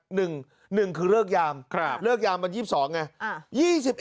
หนึ่งหนึ่งคือเลิกยามเลิกยามวัน๒๒ไง